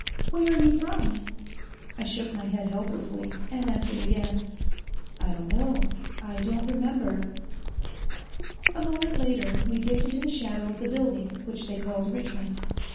"Where are you from?" I shook my head helplessly, and answered again, "I don't know I don't remember." A moment later we dipped into the shadow of the building, which they called Richmond.